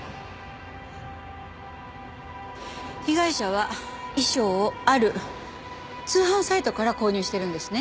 被害者は衣装をある通販サイトから購入してるんですね。